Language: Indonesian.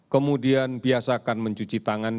kemudian biasakan mencuci tangan